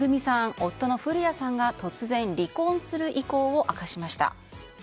夫の降谷さんが突然、離婚する意向を明かしました。